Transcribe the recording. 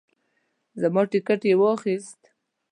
زما ټیکټ یې واخیست.